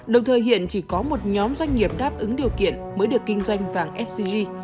đồng thời hiện chỉ có một nhóm doanh nghiệp đáp ứng điều kiện mới được kinh doanh vàng sg